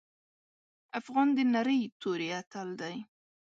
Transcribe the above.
افغان د نرۍ توري اتل دی.